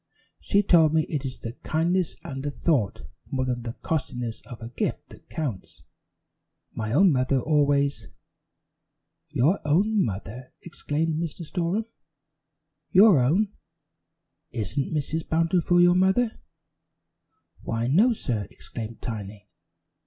"She told me it is the kindness and the thought more than the costliness of a gift that counts. My own mother always " "Your own mother!" exclaimed Mr. Storem. "Your own! Isn't Mrs. Bountiful your mother?" "Why, no, sir," exclaimed Tiny.